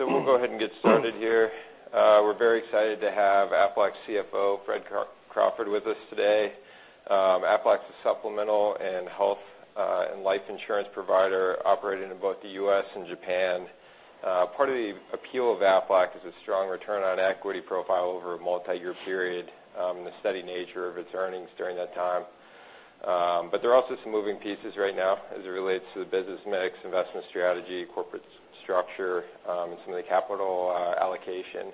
We'll go ahead and get started here. We're very excited to have Aflac's CFO, Fred Crawford, with us today. Aflac is a supplemental in health and life insurance provider operating in both the U.S. and Japan. Part of the appeal of Aflac is a strong return on equity profile over a multi-year period, and the steady nature of its earnings during that time. There are also some moving pieces right now as it relates to the business mix, investment strategy, corporate structure, and some of the capital allocation.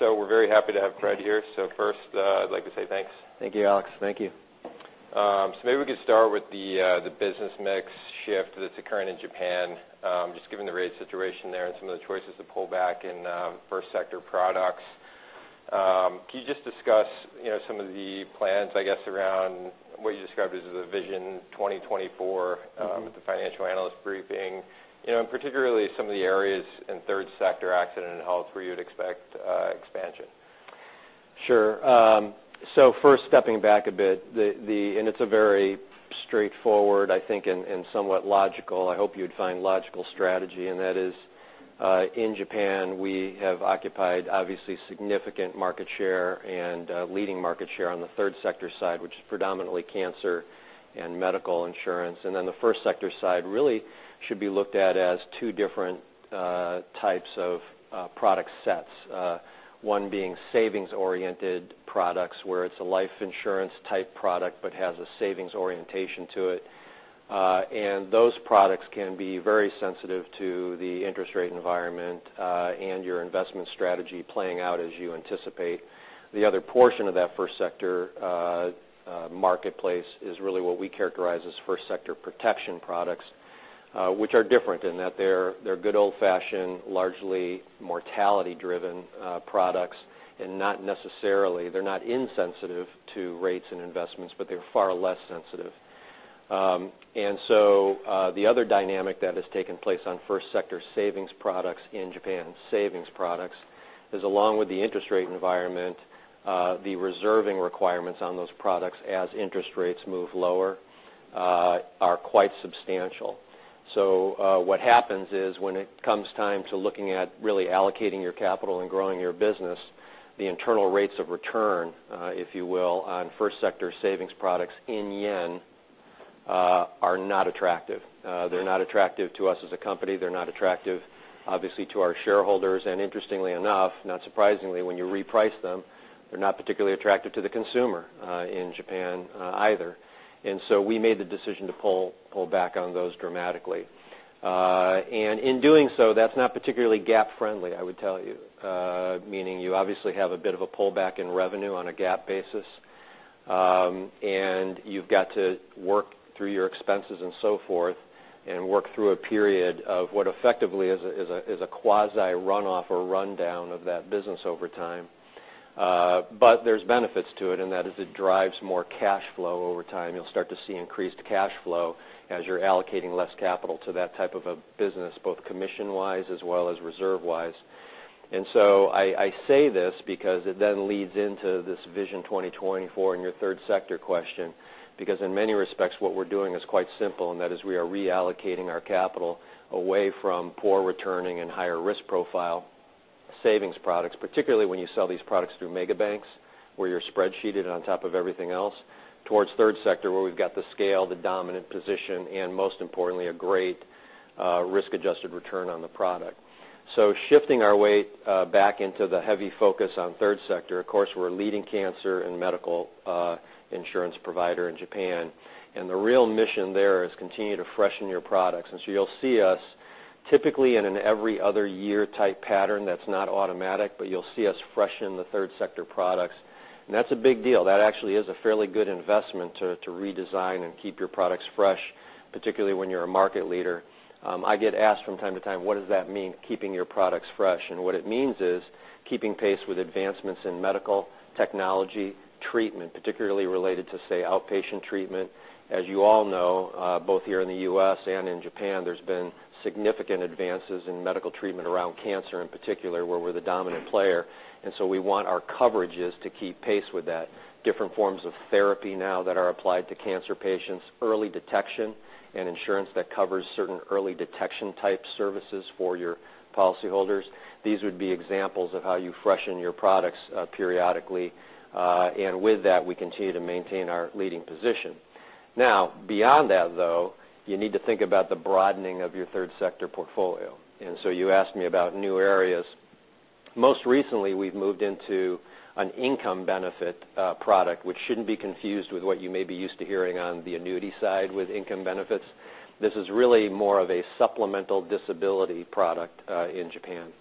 We're very happy to have Fred here. First, I'd like to say thanks. Thank you, Alex. Thank you. Maybe we could start with the business mix shift that's occurring in Japan, just given the rate situation there and some of the choices to pull back in first sector products. Can you just discuss some of the plans, I guess, around what you described as the Vision 2024 at the financial analyst briefing, and particularly some of the areas in third sector accident and health where you'd expect expansion? Sure. First, stepping back a bit, it's a very straightforward, I think, and somewhat logical, I hope you'd find logical strategy, that is, in Japan, we have occupied obviously significant market share and leading market share on the third sector side, which is predominantly cancer and medical insurance. Then the first sector side really should be looked at as 2 different types of product sets. One being savings-oriented products, where it's a life insurance type product but has a savings orientation to it. Those products can be very sensitive to the interest rate environment and your investment strategy playing out as you anticipate. The other portion of that first sector marketplace is really what we characterize as first sector protection products, which are different in that they're good old-fashioned, largely mortality-driven products, they're not insensitive to rates and investments. They're far less sensitive. The other dynamic that has taken place on first sector savings products in Japan, savings products is along with the interest rate environment, the reserving requirements on those products as interest rates move lower are quite substantial. What happens is when it comes time to looking at really allocating your capital and growing your business, the internal rates of return, if you will, on first sector savings products in JPY are not attractive. They're not attractive to us as a company. They're not attractive, obviously, to our shareholders. Interestingly enough, not surprisingly, when you reprice them, they're not particularly attractive to the consumer in Japan either. We made the decision to pull back on those dramatically. In doing so, that's not particularly GAAP friendly, I would tell you. Meaning you obviously have a bit of a pullback in revenue on a GAAP basis. You've got to work through your expenses and so forth and work through a period of what effectively is a quasi runoff or rundown of that business over time. There's benefits to it, and that is it drives more cash flow over time. You'll start to see increased cash flow as you're allocating less capital to that type of a business, both commission-wise as well as reserve-wise. I say this because it then leads into this Vision 2024 and your third sector question, because in many respects what we're doing is quite simple, and that is we are reallocating our capital away from poor returning and higher risk profile savings products, particularly when you sell these products through mega banks, where you're spreadsheeted on top of everything else, towards third sector, where we've got the scale, the dominant position, and most importantly, a great risk-adjusted return on the product. Shifting our weight back into the heavy focus on third sector, of course, we're a leading cancer and medical insurance provider in Japan. The real mission there is continue to freshen your products. You'll see us typically in an every other year type pattern that's not automatic. You'll see us freshen the third sector products. That's a big deal. That actually is a fairly good investment to redesign and keep your products fresh, particularly when you're a market leader. I get asked from time to time, what does that mean, keeping your products fresh? What it means is keeping pace with advancements in medical technology treatment, particularly related to, say, outpatient treatment. As you all know, both here in the U.S. and in Japan, there's been significant advances in medical treatment around cancer in particular, where we're the dominant player. We want our coverages to keep pace with that. Different forms of therapy now that are applied to cancer patients, early detection, and insurance that covers certain early detection type services for your policyholders. These would be examples of how you freshen your products periodically. With that, we continue to maintain our leading position. Beyond that, though, you need to think about the broadening of your third sector portfolio. You asked me about new areas. Most recently, we've moved into an income benefit product, which shouldn't be confused with what you may be used to hearing on the annuity side with income benefits. This is really more of a supplemental disability product in Japan.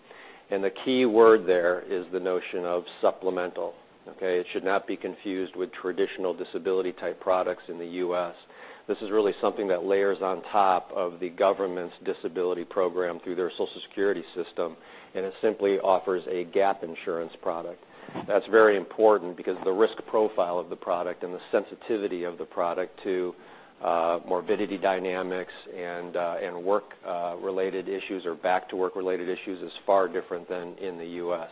The key word there is the notion of supplemental. Okay. It should not be confused with traditional disability type products in the U.S. This is really something that layers on top of the government's disability program through their Social Security system, and it simply offers a GAAP insurance product. That's very important because the risk profile of the product and the sensitivity of the product to morbidity dynamics and work-related issues or back-to-work related issues is far different than in the U.S.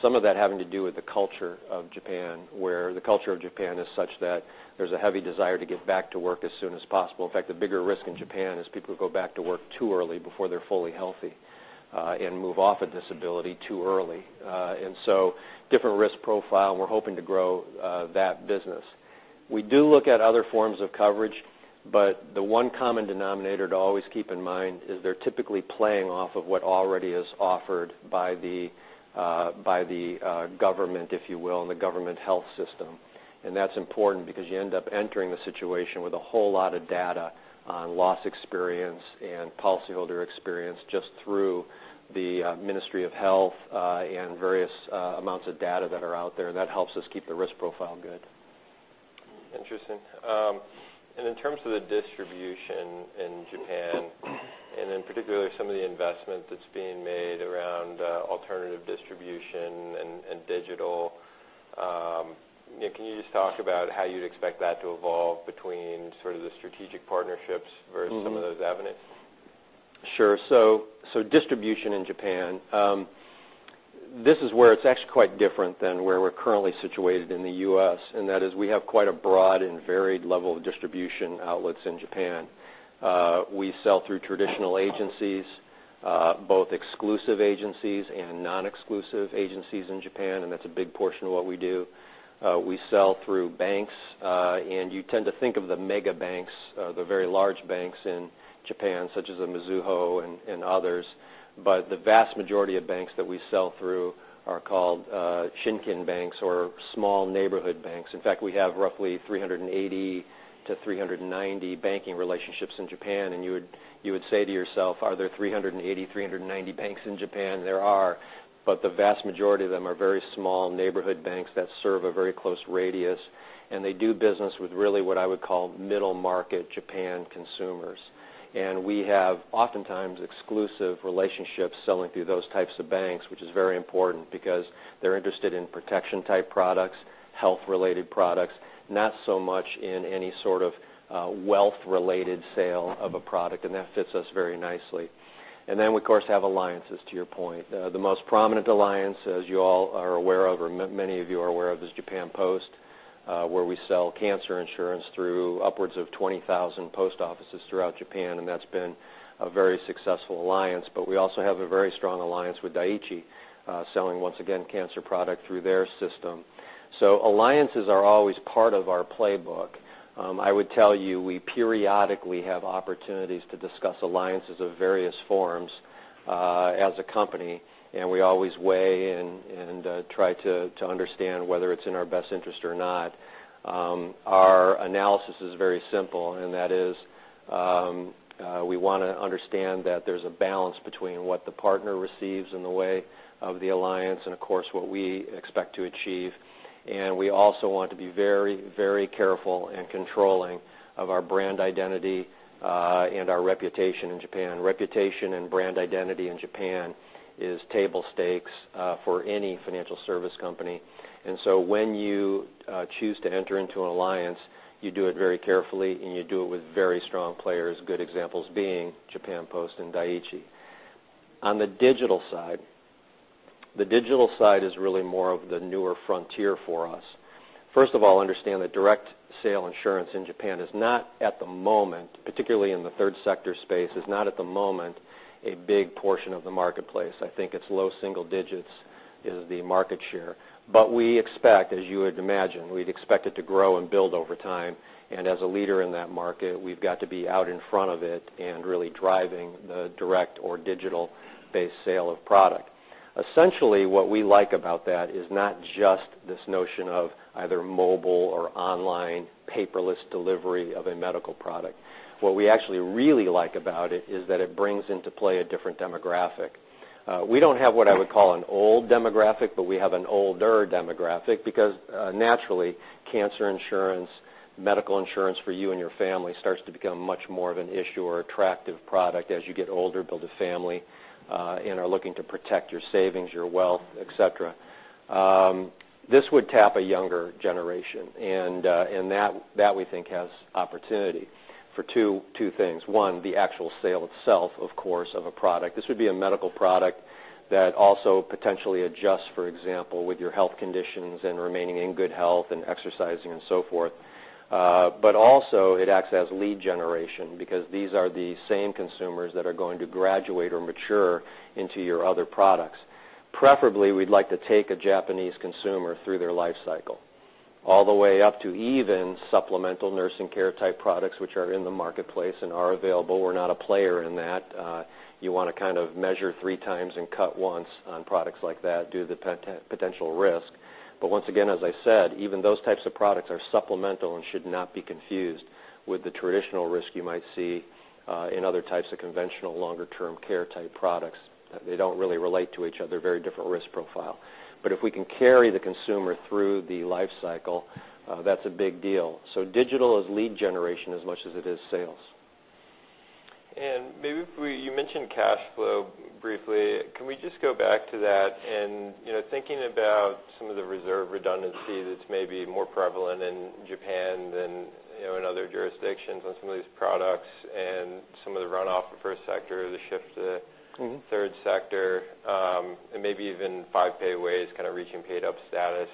Some of that having to do with the culture of Japan, where the culture of Japan is such that there's a heavy desire to get back to work as soon as possible. In fact, the bigger risk in Japan is people who go back to work too early before they're fully healthy, and move off a disability too early. Different risk profile, and we're hoping to grow that business. We do look at other forms of coverage, but the one common denominator to always keep in mind is they're typically playing off of what already is offered by the government, if you will, and the government health system. That's important because you end up entering the situation with a whole lot of data on loss experience and policyholder experience just through the Ministry of Health, and various amounts of data that are out there, and that helps us keep the risk profile good. Interesting. In terms of the distribution in Japan, and in particular, some of the investment that's being made around alternative distribution and digital, next, can you just talk about how you'd expect that to evolve between sort of the strategic partnerships versus some of those avenues? Sure. Distribution in Japan, this is where it's actually quite different than where we're currently situated in the U.S., and that is we have quite a broad and varied level of distribution outlets in Japan. We sell through traditional agencies, both exclusive agencies and non-exclusive agencies in Japan, and that's a big portion of what we do. We sell through banks. You tend to think of the mega banks, the very large banks in Japan, such as Mizuho and others. The vast majority of banks that we sell through are called Shinkin banks or small neighborhood banks. In fact, we have roughly 380-390 banking relationships in Japan. You would say to yourself, "Are there 380, 390 banks in Japan?" There are, but the vast majority of them are very small neighborhood banks that serve a very close radius, and they do business with really what I would call middle-market Japan consumers. We have oftentimes exclusive relationships selling through those types of banks, which is very important because they're interested in protection type products, health-related products, not so much in any sort of wealth-related sale of a product, and that fits us very nicely. Then we of course have alliances, to your point. The most prominent alliance, as you all are aware of, or many of you are aware of, is Japan Post, where we sell cancer insurance through upwards of 20,000 post offices throughout Japan, and that's been a very successful alliance. We also have a very strong alliance with Dai-ichi, selling once again cancer product through their system. Alliances are always part of our playbook. I would tell you, we periodically have opportunities to discuss alliances of various forms, as a company, and we always weigh in and try to understand whether it's in our best interest or not. Our analysis is very simple, and that is, we want to understand that there's a balance between what the partner receives in the way of the alliance and of course what we expect to achieve. We also want to be very careful and controlling of our brand identity, and our reputation in Japan. Reputation and brand identity in Japan is table stakes for any financial services company. When you choose to enter into an alliance, you do it very carefully and you do it with very strong players, good examples being Japan Post and Dai-ichi. On the digital side, the digital side is really more of the newer frontier for us. First of all, understand that direct sale insurance in Japan is not at the moment, particularly in the third sector space, is not at the moment a big portion of the marketplace. I think it's low single digits is the market share. We expect, as you would imagine, we'd expect it to grow and build over time. As a leader in that market, we've got to be out in front of it and really driving the direct or digital base sale of product. Essentially what we like about that is not just this notion of either mobile or online paperless delivery of a medical product. What we actually really like about it is that it brings into play a different demographic. We don't have what I would call an old demographic, but we have an older demographic because, naturally, cancer insurance, medical insurance for you and your family starts to become much more of an issue or attractive product as you get older, build a family, and are looking to protect your savings, your wealth, et cetera. That we think has opportunity for two things. One, the actual sale itself, of course, of a product. This would be a medical product that also potentially adjusts, for example, with your health conditions and remaining in good health and exercising and so forth. Also it acts as lead generation because these are the same consumers that are going to graduate or mature into your other products. Preferably, we'd like to take a Japanese consumer through their life cycle all the way up to even supplemental nursing care type products, which are in the marketplace and are available. We're not a player in that. You want to kind of measure three times and cut one on products like that due to the potential risk. Once again, as I said, even those types of products are supplemental and should not be confused with the traditional risk you might see in other types of conventional longer term care type products. They don't really relate to each other. Very different risk profile. If we can carry the consumer through the life cycle, that's a big deal. Digital is lead generation as much as it is sales. Maybe you mentioned cash flow briefly. Can we just go back to that and thinking about some of the reserve redundancy that's maybe more prevalent in Japan than in other jurisdictions on some of these products and some of the runoff for first sector, the shift to- third sector, maybe even five pay WAYS kind of reaching paid-up status,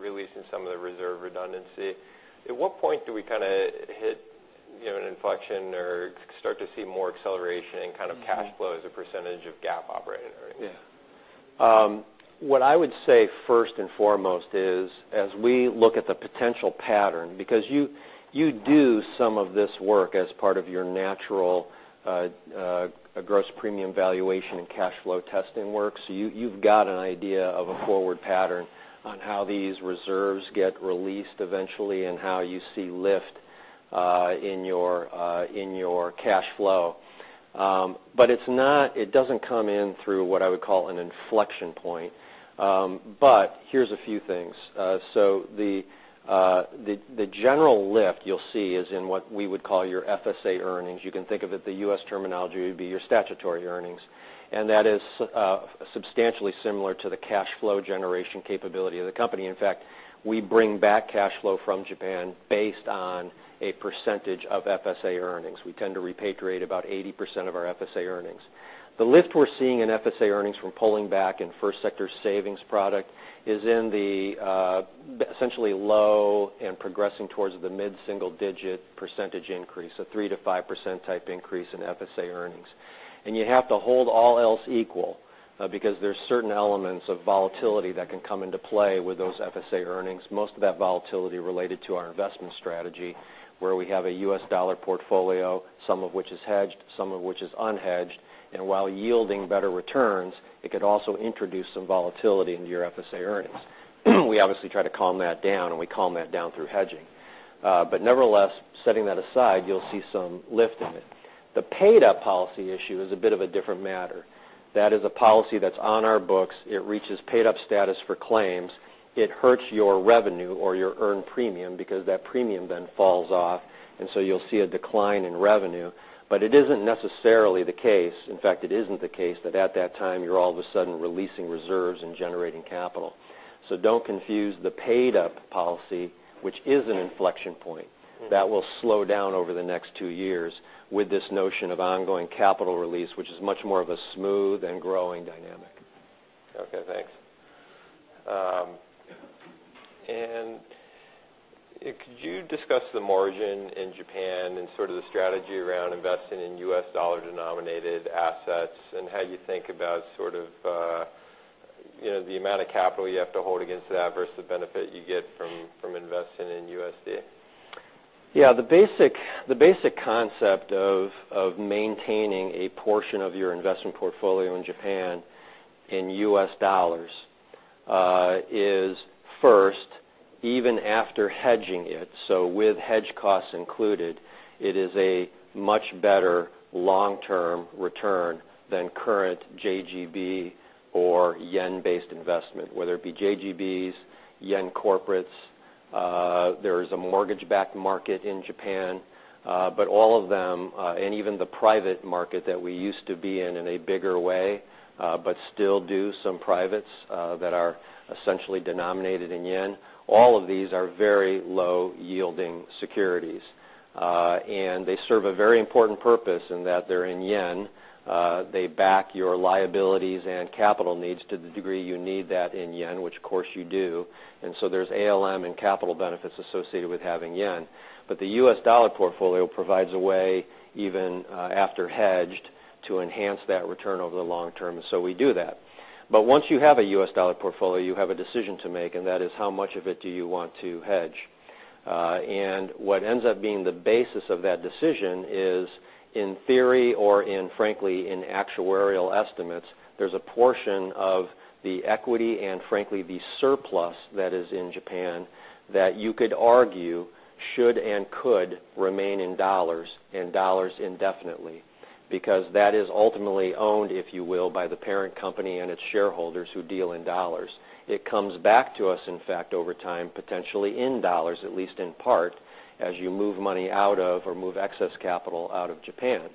releasing some of the reserve redundancy. At what point do we kind of hit an inflection or start to see more acceleration and kind of cash flow as a percentage of GAAP operating earnings? Yeah. What I would say first and foremost is, as we look at the potential pattern, because you do some of this work as part of your natural gross premium valuation and cash flow testing work. You've got an idea of a forward pattern on how these reserves get released eventually and how you see lift in your cash flow. It doesn't come in through what I would call an inflection point. Here's a few things. The general lift you'll see is in what we would call your FSA earnings. You can think of it, the U.S. terminology, it would be your statutory earnings, and that is substantially similar to the cash flow generation capability of the company. In fact, we bring back cash flow from Japan based on a percentage of FSA earnings. We tend to repatriate about 80% of our FSA earnings. The lift we're seeing in FSA earnings from pulling back in first sector savings product is in the, essentially low and progressing towards the mid-single-digit % increase, a 3%-5% type increase in FSA earnings. You have to hold all else equal because there's certain elements of volatility that can come into play with those FSA earnings. Most of that volatility related to our investment strategy, where we have a U.S. dollar portfolio, some of which is hedged, some of which is unhedged. While yielding better returns, it could also introduce some volatility into your FSA earnings. We obviously try to calm that down, and we calm that down through hedging. Nevertheless, setting that aside, you'll see some lift in it. The paid-up policy issue is a bit of a different matter. That is a policy that's on our books. It reaches paid-up status for claims. It hurts your revenue or your earned premium because that premium then falls off. You'll see a decline in revenue. It isn't necessarily the case, in fact, it isn't the case, that at that time, you're all of a sudden releasing reserves and generating capital. Don't confuse the paid-up policy, which is an inflection point that will slow down over the next two years, with this notion of ongoing capital release, which is much more of a smooth and growing dynamic. Okay, thanks. Could you discuss the margin in Japan and sort of the strategy around investing in U.S. dollar-denominated assets, and how you think about sort of the amount of capital you have to hold against that versus the benefit you get from investing in USD? Yeah. The basic concept of maintaining a portion of your investment portfolio in Japan in U.S. dollars is first, even after hedging it, so with hedge costs included, it is a much better long-term return than current JGB or yen-based investment, whether it be JGBs, yen corporates. There is a mortgage-backed market in Japan. All of them, and even the private market that we used to be in in a bigger way, but still do some privates that are essentially denominated in yen, all of these are very low-yielding securities. They serve a very important purpose in that they're in yen. They back your liabilities and capital needs to the degree you need that in yen, which of course you do. There's ALM and capital benefits associated with having yen. The U.S. dollar portfolio provides a way, even after hedged, to enhance that return over the long term. We do that. Once you have a U.S. dollar portfolio, you have a decision to make, and that is how much of it do you want to hedge? What ends up being the basis of that decision is in theory or in, frankly, in actuarial estimates, there's a portion of the equity and frankly, the surplus that is in Japan that you could argue should and could remain in dollars, and dollars indefinitely because that is ultimately owned, if you will, by the parent company and its shareholders who deal in dollars. It comes back to us, in fact, over time, potentially in dollars, at least in part, as you move money out of or move excess capital out of Japan.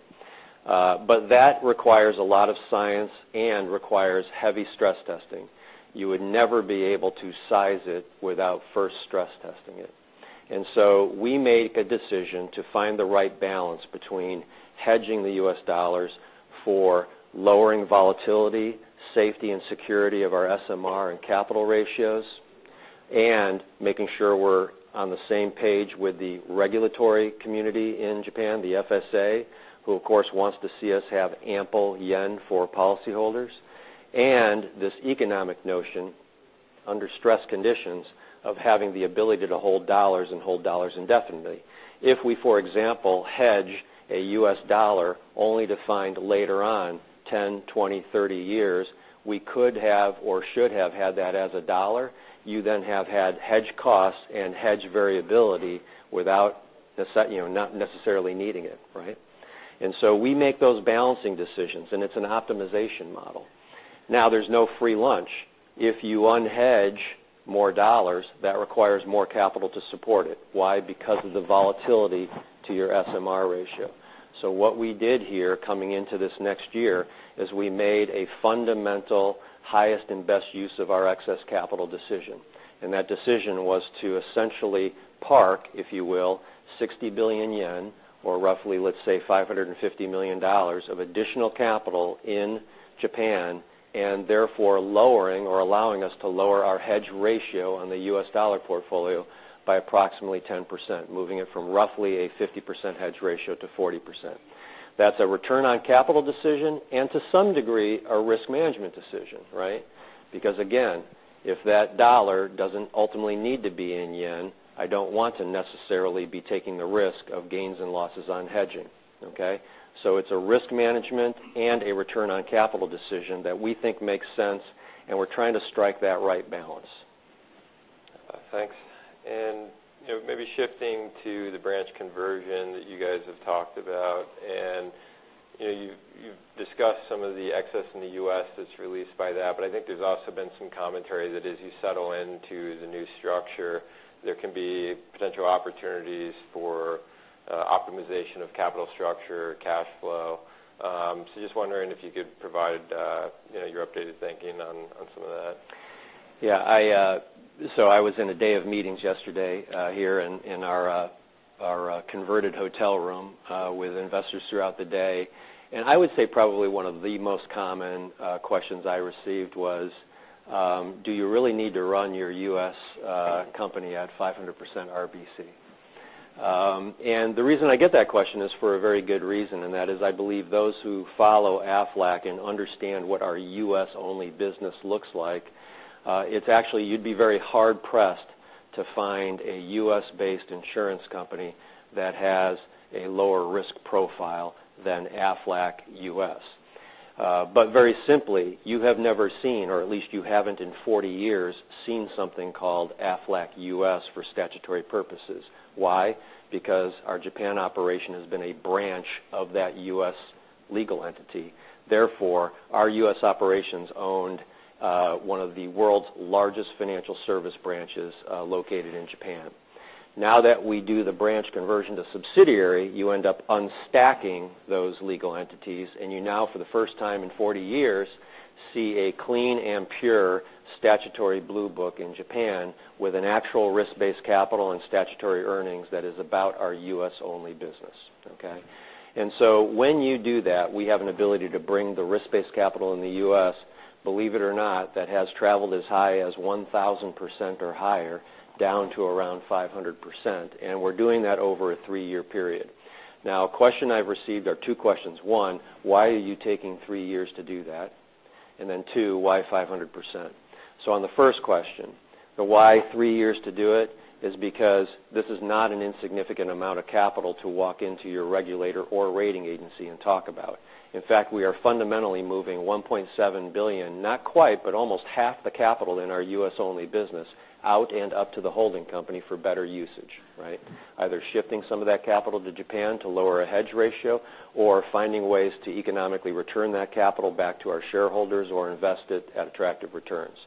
That requires a lot of science and requires heavy stress testing. You would never be able to size it without first stress testing it. We made a decision to find the right balance between hedging the U.S. dollars for lowering volatility, safety, and security of our SMR and capital ratios, and making sure we're on the same page with the regulatory community in Japan, the FSA, who, of course, wants to see us have ample yen for policyholders. This economic notion under stress conditions of having the ability to hold dollars and hold dollars indefinitely. If we, for example, hedge a U.S. dollar only to find later on 10, 20, 30 years, we could have or should have had that as a dollar, you then have had hedge costs and hedge variability without not necessarily needing it, right? We make those balancing decisions, and it's an optimization model. There's no free lunch. If you unhedge more dollars, that requires more capital to support it. Why? Because of the volatility to your SMR ratio. What we did here coming into this next year is we made a fundamental highest and best use of our excess capital decision. That decision was to essentially park, if you will, 60 billion yen, or roughly, let's say, $550 million of additional capital in Japan, and therefore lowering or allowing us to lower our hedge ratio on the U.S. dollar portfolio by approximately 10%, moving it from roughly a 50% hedge ratio to 40%. That's a return on capital decision and to some degree, a risk management decision, right? Again, if that dollar doesn't ultimately need to be in JPY, I don't want to necessarily be taking the risk of gains and losses on hedging. Okay? It's a risk management and a return on capital decision that we think makes sense, and we're trying to strike that right balance. Thanks. Maybe shifting to the branch conversion that you guys have talked about, and you've discussed some of the excess in the U.S. that's released by that, I think there's also been some commentary that as you settle into the new structure, there can be potential opportunities for optimization of capital structure, cash flow. Just wondering if you could provide your updated thinking on some of that. Yeah. I was in a day of meetings yesterday here in our converted hotel room with investors throughout the day. I would say probably one of the most common questions I received was, do you really need to run your U.S. company at 500% RBC? The reason I get that question is for a very good reason, and that is, I believe those who follow Aflac and understand what our U.S.-only business looks like, it's actually you'd be very hard-pressed to find a U.S.-based insurance company that has a lower risk profile than Aflac U.S. Very simply, you have never seen, or at least you haven't in 40 years, seen something called Aflac U.S. for statutory purposes. Why? Because our Japan operation has been a branch of that U.S. legal entity. Therefore, our U.S. operations owned one of the world's largest financial service branches located in Japan. Now that we do the branch conversion to subsidiary, you end up unstacking those legal entities, and you now for the first time in 40 years see a clean and pure statutory Blue Book in Japan with an actual risk-based capital and statutory earnings that is about our U.S.-only business. Okay? When you do that, we have an ability to bring the risk-based capital in the U.S., believe it or not, that has traveled as high as 1,000% or higher down to around 500%, and we're doing that over a three-year period. A question I've received, or two questions. One, why are you taking three years to do that? Two, why 500%? On the first question, the why three years to do it is because this is not an insignificant amount of capital to walk into your regulator or rating agency and talk about. In fact, we are fundamentally moving $1.7 billion, not quite, but almost half the capital in our U.S.-only business out and up to the holding company for better usage, right? Either shifting some of that capital to Japan to lower a hedge ratio or finding ways to economically return that capital back to our shareholders or invest it at attractive returns.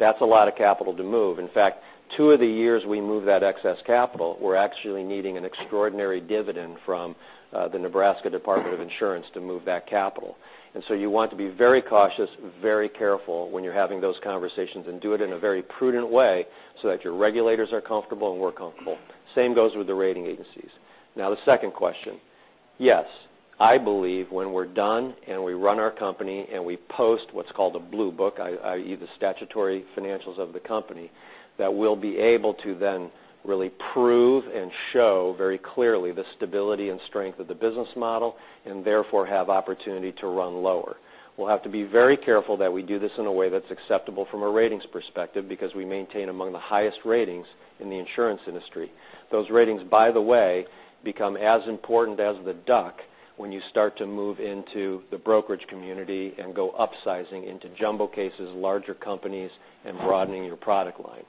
That's a lot of capital to move. In fact, two of the years we move that excess capital, we're actually needing an extraordinary dividend from the Nebraska Department of Insurance to move that capital. You want to be very cautious, very careful when you're having those conversations, and do it in a very prudent way so that your regulators are comfortable, and we're comfortable. Same goes with the rating agencies. The second question. Yes, I believe when we're done and we run our company and we post what's called a Blue Book, i.e., the statutory financials of the company, that we'll be able to then really prove and show very clearly the stability and strength of the business model and therefore have opportunity to run lower. We'll have to be very careful that we do this in a way that's acceptable from a ratings perspective because we maintain among the highest ratings in the insurance industry. Those ratings, by the way, become as important as the duck when you start to move into the brokerage community and go upsizing into jumbo cases, larger companies, and broadening your product line.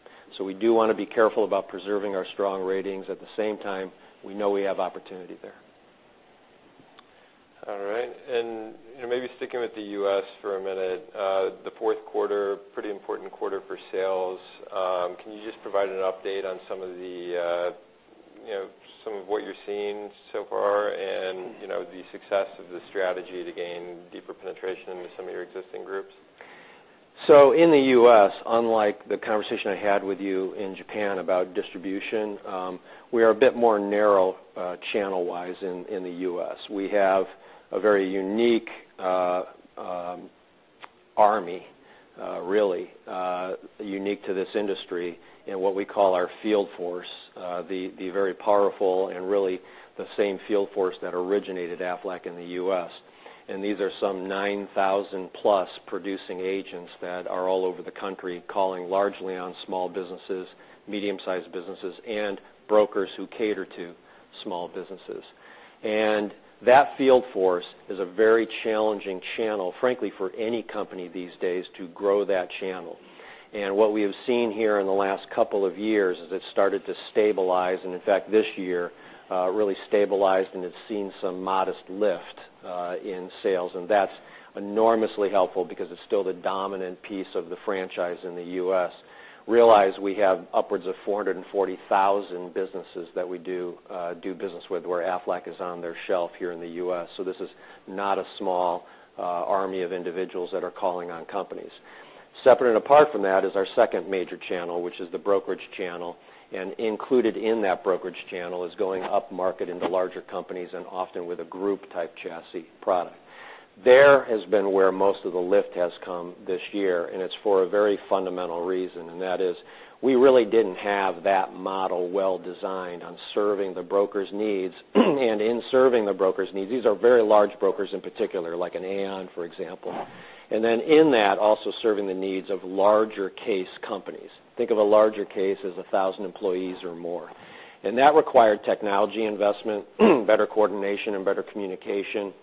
We do want to be careful about preserving our strong ratings. At the same time, we know we have opportunity there. All right. Maybe sticking with the U.S. for a minute. The fourth quarter, pretty important quarter for sales. Can you just provide an update on some of what you're seeing so far and the success of the strategy to gain deeper penetration into some of your existing groups? In the U.S., unlike the conversation I had with you in Japan about distribution, we are a bit more narrow channel-wise in the U.S. We have a very unique army, really, unique to this industry in what we call our field force, the very powerful and really the same field force that originated Aflac in the U.S. These are some 9,000-plus producing agents that are all over the country calling largely on small businesses, medium-sized businesses, and brokers who cater to small businesses. That field force is a very challenging channel, frankly, for any company these days to grow that channel. What we have seen here in the last couple of years is it started to stabilize, and in fact this year really stabilized and it's seen some modest lift in sales, and that's enormously helpful because it's still the dominant piece of the franchise in the U.S. Realize we have upwards of 440,000 businesses that we do business with where Aflac is on their shelf here in the U.S. This is not a small army of individuals that are calling on companies. Separate and apart from that is our second major channel, which is the brokerage channel. Included in that brokerage channel is going upmarket into larger companies and often with a group type chassis product. There has been where most of the lift has come this year, and it's for a very fundamental reason. That is we really didn't have that model well-designed on serving the broker's needs. In serving the broker's needs, these are very large brokers in particular, like an Aon, for example. Then in that, also serving the needs of larger case companies. Think of a larger case as 1,000 employees or more. That required technology investment, better coordination, and better communication,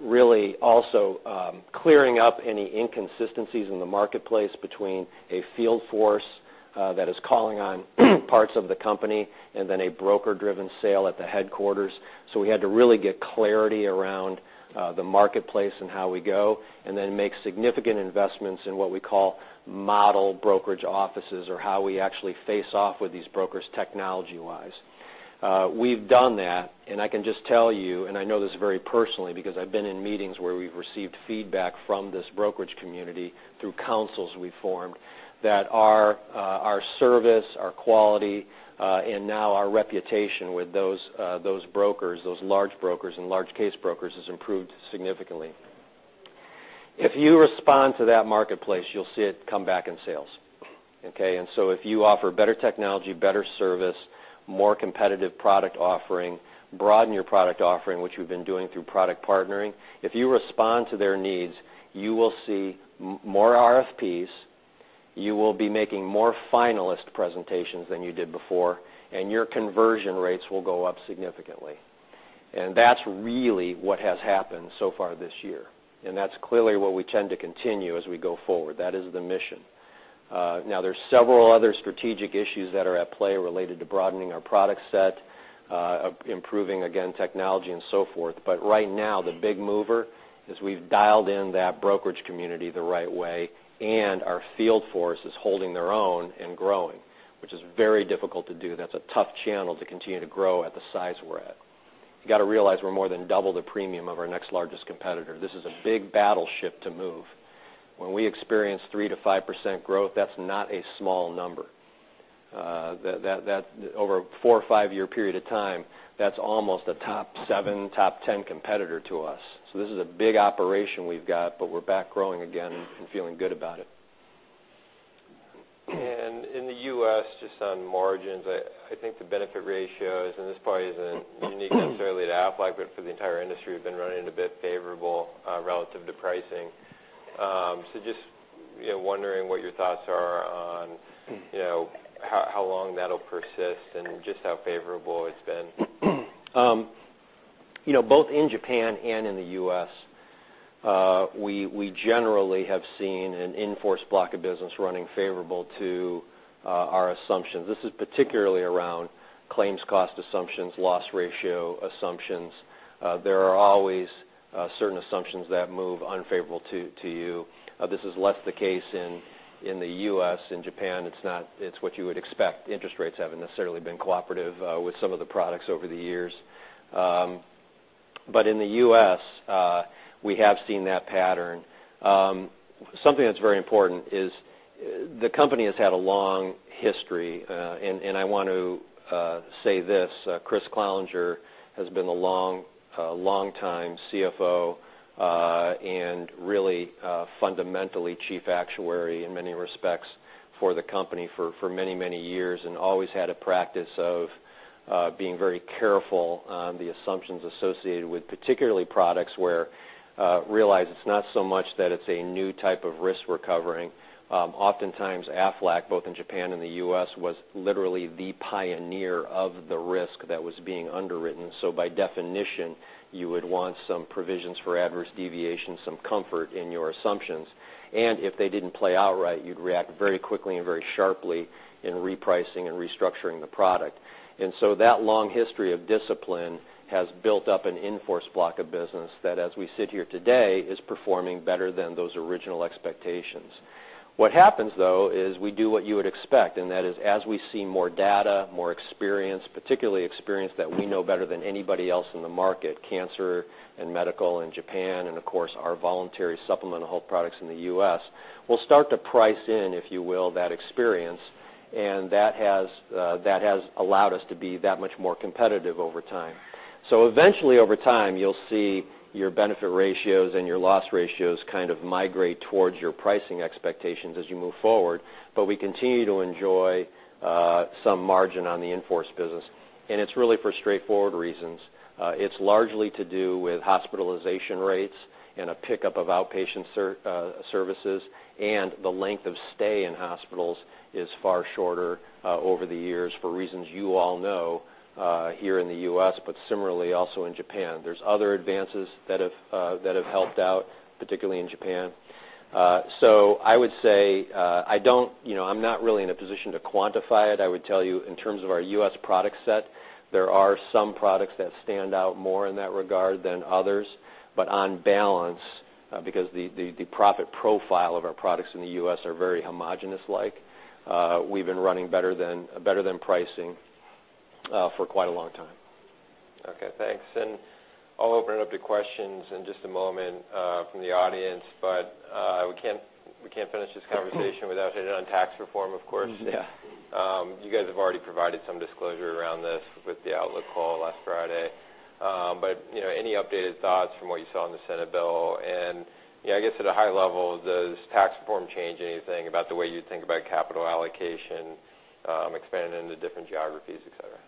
really also clearing up any inconsistencies in the marketplace between a field force that is calling on parts of the company and then a broker-driven sale at the headquarters. We had to really get clarity around the marketplace and how we go and then make significant investments in what we call model brokerage offices or how we actually face off with these brokers technology-wise. We've done that, and I can just tell you, and I know this very personally because I've been in meetings where we've received feedback from this brokerage community through councils we formed, that our service, our quality, and now our reputation with those brokers, those large brokers and large case brokers, has improved significantly. If you respond to that marketplace, you'll see it come back in sales. If you offer better technology, better service, more competitive product offering, broaden your product offering, which we've been doing through product partnering, if you respond to their needs, you will see more RFP, you will be making more finalist presentations than you did before, and your conversion rates will go up significantly. That's really what has happened so far this year, and that's clearly what we tend to continue as we go forward. That is the mission. There's several other strategic issues that are at play related to broadening our product set, improving, again, technology and so forth. Right now, the big mover is we've dialed in that brokerage community the right way, and our field force is holding their own and growing, which is very difficult to do. That's a tough channel to continue to grow at the size we're at. You got to realize we're more than double the premium of our next largest competitor. This is a big battleship to move. When we experience 3%-5% growth, that's not a small number. Over a four or five-year period of time, that's almost a top seven, top 10 competitor to us. This is a big operation we've got, but we're back growing again and feeling good about it. In the U.S., just on margins, I think the benefit ratios, and this probably isn't unique necessarily to Aflac, but for the entire industry, have been running a bit favorable relative to pricing. Just wondering what your thoughts are on how long that'll persist and just how favorable it's been. Both in Japan and in the U.S., we generally have seen an in-force block of business running favorable to our assumptions. This is particularly around claims cost assumptions, loss ratio assumptions. There are always certain assumptions that move unfavorable to you. This is less the case in the U.S. In Japan, it's what you would expect. Interest rates haven't necessarily been cooperative with some of the products over the years. In the U.S., we have seen that pattern. Something that's very important is the company has had a long history, and I want to say this, Kriss Cloninger has been the long-time CFO and really fundamentally chief actuary in many respects for the company for many, many years and always had a practice of being very careful on the assumptions associated with particularly products where realize it's not so much that it's a new type of risk we're covering. Oftentimes, Aflac, both in Japan and the U.S., was literally the pioneer of the risk that was being underwritten. By definition, you would want some provisions for adverse deviation, some comfort in your assumptions, and if they didn't play out right, you'd react very quickly and very sharply in repricing and restructuring the product. That long history of discipline has built up an in-force block of business that, as we sit here today, is performing better than those original expectations. What happens, though, is we do what you would expect, and that is as we see more data, more experience, particularly experience that we know better than anybody else in the market, cancer and medical in Japan and of course, our voluntary supplemental health products in the U.S., we'll start to price in, if you will, that experience, and that has allowed us to be that much more competitive over time. Eventually over time, you'll see your benefit ratios and your loss ratios kind of migrate towards your pricing expectations as you move forward, we continue to enjoy some margin on the in-force business, and it's really for straightforward reasons. It's largely to do with hospitalization rates and a pickup of outpatient services, and the length of stay in hospitals is far shorter over the years for reasons you all know here in the U.S., but similarly also in Japan. There's other advances that have helped out, particularly in Japan. I would say I'm not really in a position to quantify it. I would tell you in terms of our U.S. product set, there are some products that stand out more in that regard than others. On balance, because the profit profile of our products in the U.S. are very homogenous-like, we've been running better than pricing for quite a long time. Okay, thanks. I'll open it up to questions in just a moment from the audience, we can't finish this conversation without hitting on tax reform, of course. Yeah. You guys have already provided some disclosure around this with the outlook call last Friday. Any updated thoughts from what you saw in the Senate bill? I guess at a high level, does tax reform change anything about the way you think about capital allocation, expanding into different geographies, et cetera?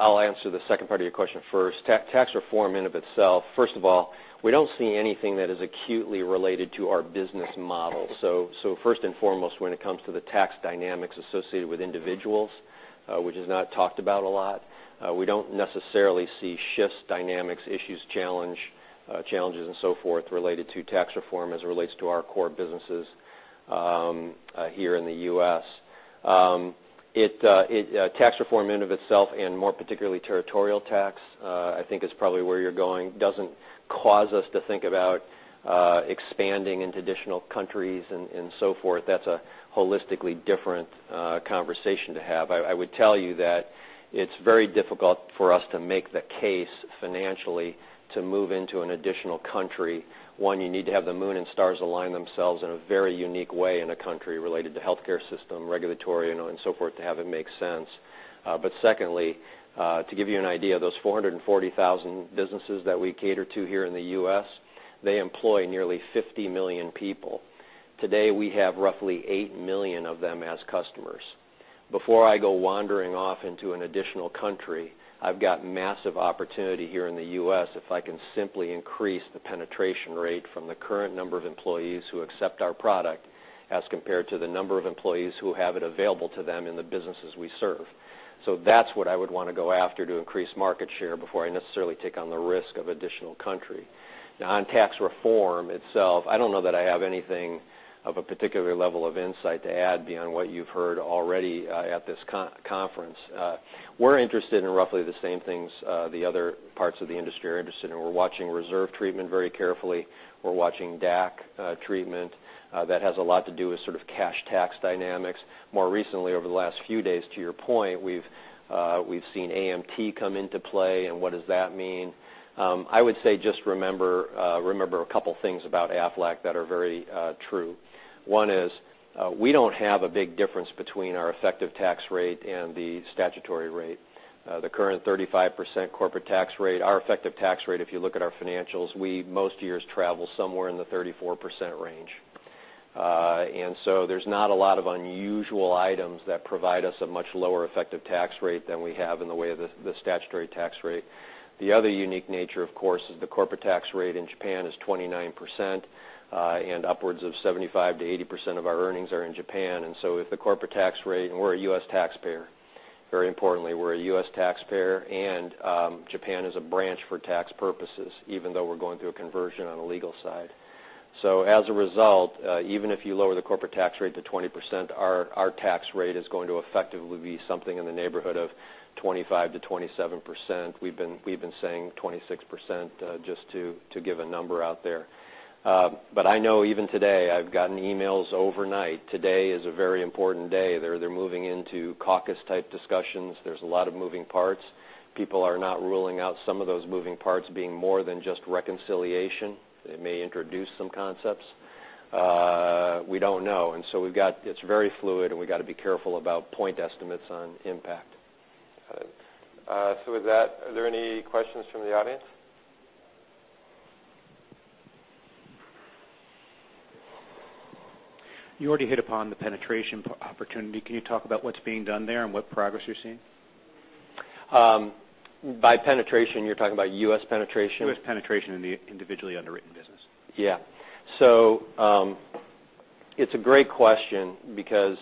I'll answer the second part of your question first. Tax reform in and of itself, first of all, we don't see anything that is acutely related to our business model. First and foremost, when it comes to the tax dynamics associated with individuals, which is not talked about a lot, we don't necessarily see shifts, dynamics, issues, challenges, and so forth related to tax reform as it relates to our core businesses here in the U.S. Tax reform in and of itself, more particularly territorial tax, I think is probably where you're going, doesn't cause us to think about expanding into additional countries and so forth. That's a holistically different conversation to have. I would tell you that it's very difficult for us to make the case financially to move into an additional country. One, you need to have the moon and stars align themselves in a very unique way in a country related to healthcare system, regulatory, and so forth to have it make sense. Secondly, to give you an idea, those 440,000 businesses that we cater to here in the U.S., they employ nearly 50 million people. Today, we have roughly 8 million of them as customers. Before I go wandering off into an additional country, I've got massive opportunity here in the U.S. if I can simply increase the penetration rate from the current number of employees who accept our product as compared to the number of employees who have it available to them in the businesses we serve. That's what I would want to go after to increase market share before I necessarily take on the risk of additional country. On tax reform itself, I don't know that I have anything of a particular level of insight to add beyond what you've heard already at this conference. We're interested in roughly the same things the other parts of the industry are interested in. We're watching reserve treatment very carefully. We're watching DAC treatment. That has a lot to do with sort of cash tax dynamics. More recently, over the last few days, to your point, we've seen AMT come into play and what does that mean. I would say, just remember a couple of things about Aflac that are very true. One is we don't have a big difference between our effective tax rate and the statutory rate. The current 35% corporate tax rate, our effective tax rate, if you look at our financials, we most years travel somewhere in the 34% range. There's not a lot of unusual items that provide us a much lower effective tax rate than we have in the way of the statutory tax rate. The other unique nature, of course, is the corporate tax rate in Japan is 29%, and upwards of 75% to 80% of our earnings are in Japan. If the corporate tax rate, and we're a U.S. taxpayer, very importantly, we're a U.S. taxpayer, and Japan is a branch for tax purposes, even though we're going through a conversion on the legal side. As a result, even if you lower the corporate tax rate to 20%, our tax rate is going to effectively be something in the neighborhood of 25% to 27%. We've been saying 26%, just to give a number out there. I know even today, I've gotten emails overnight. Today is a very important day. They're moving into caucus type discussions. There's a lot of moving parts. People are not ruling out some of those moving parts being more than just reconciliation. They may introduce some concepts. We don't know. It's very fluid, and we got to be careful about point estimates on impact. Got it. With that, are there any questions from the audience? You already hit upon the penetration opportunity. Can you talk about what's being done there and what progress you're seeing? By penetration, you're talking about U.S. penetration? U.S. penetration in the individually underwritten business. Yeah. It's a great question because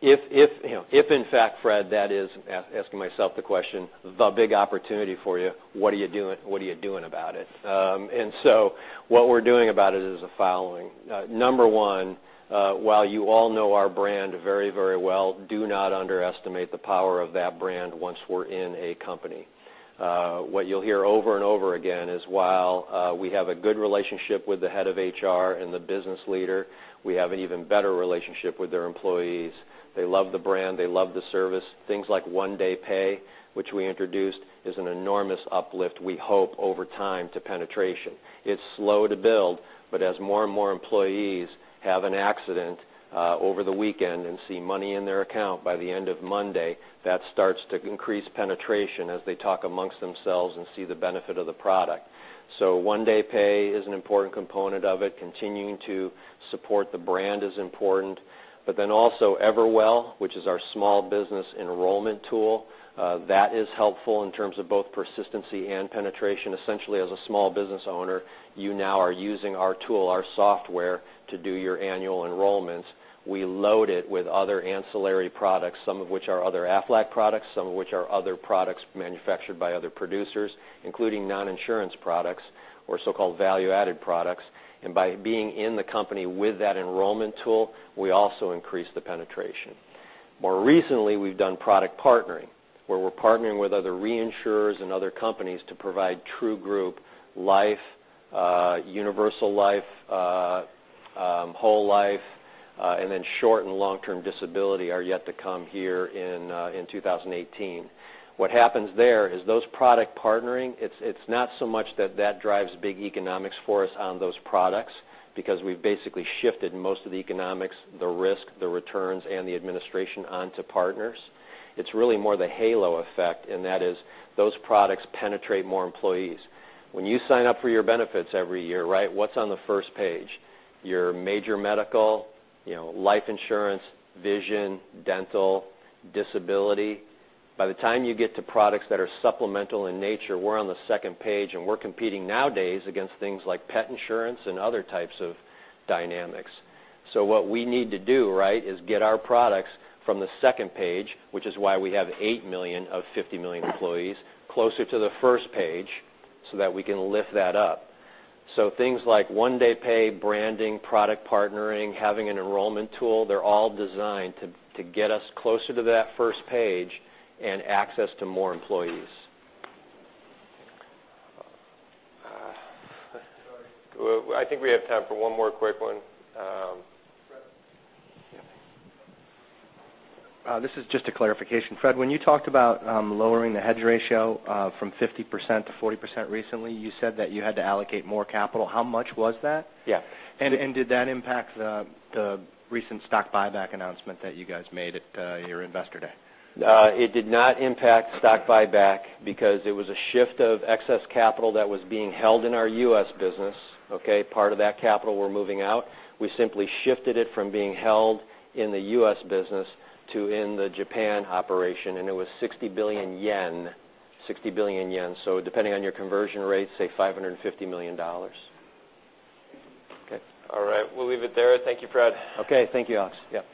if in fact, Fred, that is, asking myself the question, the big opportunity for you, what are you doing about it? What we're doing about it is the following. Number one, while you all know our brand very well, do not underestimate the power of that brand once we're in a company. What you'll hear over and over again is while we have a good relationship with the head of HR and the business leader, we have an even better relationship with their employees. They love the brand. They love the service. Things like One Day Pay, which we introduced, is an enormous uplift, we hope, over time, to penetration. It's slow to build, but as more and more employees have an accident over the weekend and see money in their account by the end of Monday, that starts to increase penetration as they talk amongst themselves and see the benefit of the product. One Day Pay is an important component of it. Continuing to support the brand is important. Also Everwell, which is our small business enrollment tool, that is helpful in terms of both persistency and penetration. Essentially, as a small business owner, you now are using our tool, our software to do your annual enrollments. We load it with other ancillary products, some of which are other Aflac products, some of which are other products manufactured by other producers, including non-insurance products or so-called value-added products. By being in the company with that enrollment tool, we also increase the penetration. More recently, we've done product partnering, where we're partnering with other reinsurers and other companies to provide true group life, universal life, whole life, and then short and long-term disability are yet to come here in 2018. What happens there is those product partnering, it's not so much that that drives big economics for us on those products, because we've basically shifted most of the economics, the risk, the returns, and the administration onto partners. It's really more the halo effect, and that is those products penetrate more employees. When you sign up for your benefits every year, what's on the first page? Your major medical, life insurance, vision, dental, disability. By the time you get to products that are supplemental in nature, we're on the second page, and we're competing nowadays against things like pet insurance and other types of dynamics. What we need to do is get our products from the second page, which is why we have 8 million of 50 million employees, closer to the first page so that we can lift that up. Things like One Day Pay, branding, product partnering, having an enrollment tool, they're all designed to get us closer to that first page and access to more employees. I think we have time for one more quick one. Fred. This is just a clarification. Fred, when you talked about lowering the hedge ratio from 50% to 40% recently, you said that you had to allocate more capital. How much was that? Yeah. Did that impact the recent stock buyback announcement that you guys made at your Investor Day? It did not impact stock buyback because it was a shift of excess capital that was being held in our U.S. business. Part of that capital we're moving out. We simply shifted it from being held in the U.S. business to in the Japan operation, it was 60 billion yen. Depending on your conversion rate, say, $550 million. Okay. All right. We'll leave it there. Thank you, Fred. Okay. Thank you, Alex. Yep.